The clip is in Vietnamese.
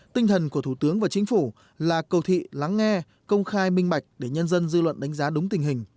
tinh thần của thủ tướng và chính phủ là cầu thị lắng nghe công khai minh bạch để nhân dân dư luận đánh giá đúng tình hình